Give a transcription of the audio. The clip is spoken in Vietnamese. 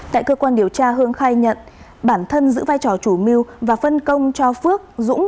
tại cơ quan điều tra hương khai nhận bản thân giữ vai trò chủ mưu và phân công cho phước dũng